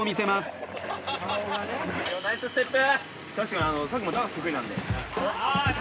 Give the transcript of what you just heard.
ナイスステップ。